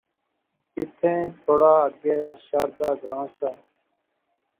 ایتھے تھوڑا اگے شاردا گراں سا